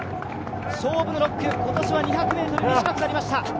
勝負の６区、今年は２００ｍ短くなりました。